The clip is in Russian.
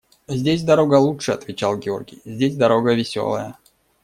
– Здесь дорога лучше, – отвечал Георгий, – здесь дорога веселая.